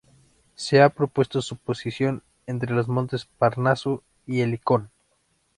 Se ha propuesto su posición entre los montes Parnaso y Helicón.